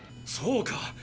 そうか！